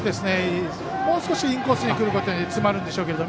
もう少しインコースに来れば詰まるんでしょうけど。